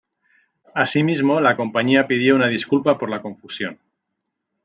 Asimismo, la compañía pidió una disculpa por la confusión.